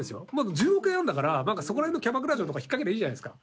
１０億円あるんだからそこら辺のキャバクラ嬢とか引っかけりゃいいじゃないですか